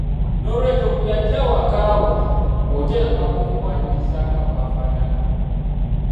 Noolwekyo buli ajja awaka wo oteekwa okumwaniriza nga bw’afaanana.